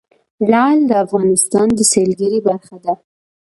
لعل د افغانستان د سیلګرۍ برخه ده.